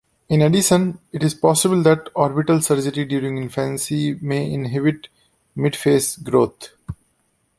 In addition, it is possible that orbital surgery during infancy may inhibit midface growth.